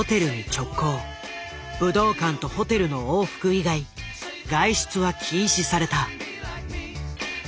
武道館とホテルの往復以外外出は禁止された。